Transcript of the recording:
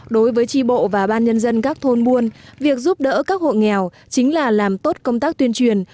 đối với tri bộ và ban nhân dân các thôn buôn việc giúp đỡ các hộ nghèo chính là làm tốt công tác tuyên truyền